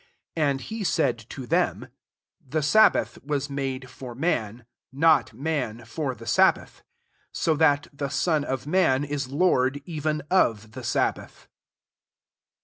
27 And he said to j them, " The sabbath was made j for man ; not man for the sab | bath. 28 So that the Son of man \ is lord even of the sabbath.